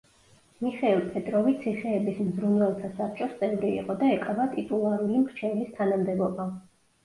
მიხეილ პეტროვი ციხეების მზრუნველთა საბჭოს წევრი იყო და ეკავა ტიტულარული მრჩევლის თანამდებობა.